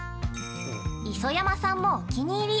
◆磯山さんもお気に入り。